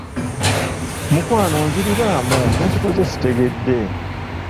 "Mukwano nziriraamu, nakikoze sitegedde."